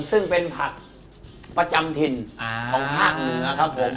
ซึ่งเป็นผักประจำถิ่นของภาคเหนือครับผม